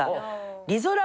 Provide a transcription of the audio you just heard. リゾラバ！